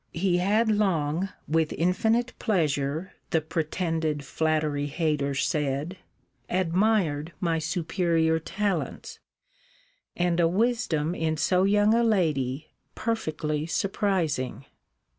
He had long, with infinite pleasure, the pretended flattery hater said, admired my superior talents, and a wisdom in so young a lady, perfectly suprising.